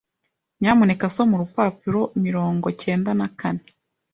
Nyamuneka soma urupapuro mirongo cyenda na kane.